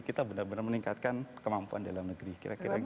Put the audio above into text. kita benar benar meningkatkan kemampuan dalam negeri kira kira gitu